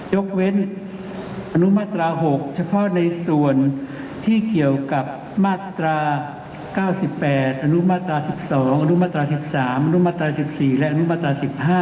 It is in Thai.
ยกเว้นอนุมาตรา๖เฉพาะในส่วนที่เกี่ยวกับมาตรา๙๘อนุมาตรา๑๒อนุมาตรา๑๓อนุมาตรา๑๔และอนุมาตรา๑๕